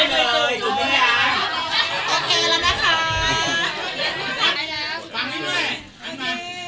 จุกกิน